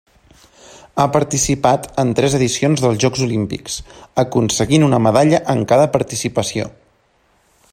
Ha participat en tres edicions dels Jocs Olímpics, aconseguint una medalla en cada participació.